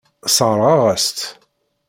Sseṛɣeɣ-as-tt.